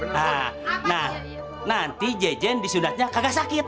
nah nanti jajan di sunatnya gak sakit